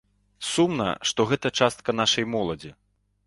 Сумна, што гэта частка нашай моладзі.